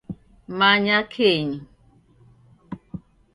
Manya kenyu